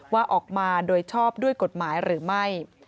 ว่าออกมาโดยชอบด้วยกฎหมายหรือไม่